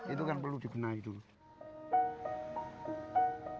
itu kan perlu dibenahi dulu